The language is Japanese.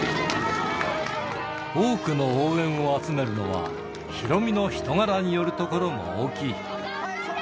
多くの応援を集めるのは、ヒロミの人柄によるところも大きい。